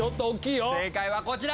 正解はこちら。